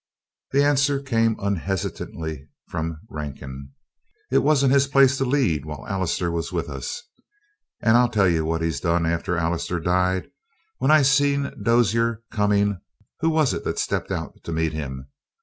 The answer came unhesitatingly from Rankin: "It wasn't his place to lead while Allister was with us. And I'll tell you what he done after Allister died. When I seen Dozier comin', who was it that stepped out to meet him?